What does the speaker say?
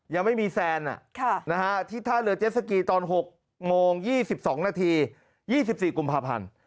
ยังไม่มีแซนที่ท่าเรือเจสสกีตอน๖โมง๒๒นาที๒๔กุมภาพันธ์